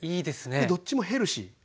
どっちもヘルシー。